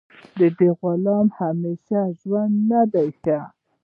د غلام د همیشه ژوند نه ښه دی.